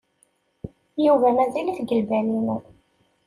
Yuba mazal-it deg lbal-inu.